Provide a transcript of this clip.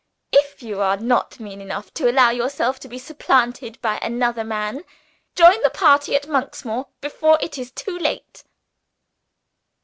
If you are not mean enough to allow yourself to be supplanted by another man, join the party at Monksmoor before it is too late."